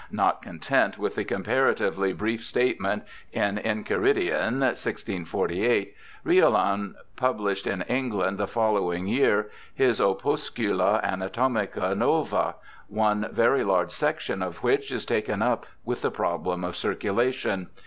Not content with the comparatively brief statement in the EncJiciridion, 1648, Riolan published in England the following year his Opuscula Anatouiica nova, one very large section of which is taken up with the problem of circulation.